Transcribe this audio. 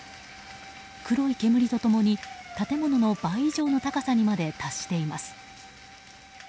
黒い煙と共に建物の倍以上の高さにまで達しています。